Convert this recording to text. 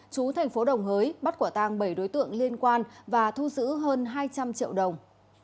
chú thành phố đồng hới bắt quả tang bảy đối tượng liên quan và thu giữ hơn hai trăm linh triệu đồng